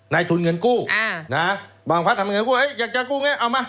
ในทุนเงินกู้บางพักทำเงินกู้เฮ้ยอยากจะกู้ไงเอามา